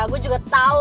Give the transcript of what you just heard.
saya juga tahu